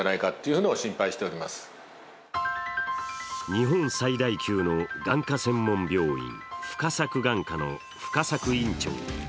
日本最大級の眼科専門病院、深作眼科の深作院長。